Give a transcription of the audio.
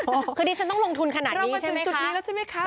คือวันนี้ฉันต้องลงทุนขนาดนี้ใช่ไหมคะ